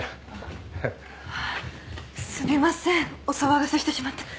すみませんお騒がせしてしまって。